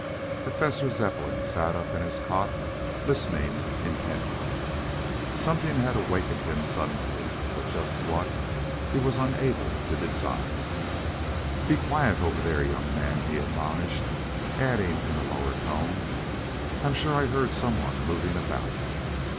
Professor Zepplin sat up in his cot, listening intently. Something had awakened him suddenly, but just what he was unable to decide. "Be quiet over there, young men," he admonished, adding in a lower tone, "I'm sure I heard some one moving about."